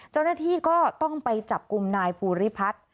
เจ้าหน้าที่ก็ต้องไปจับกลุ่มนายภูริพัฒน์